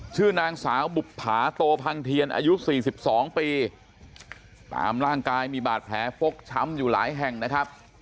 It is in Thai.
ชื่อนางสาวบุภาโตพังเทียนอายุ๔๒ปีตามร่างกายมีบาดแผลฟกช้ำอยู่หลายแห่งนะครับ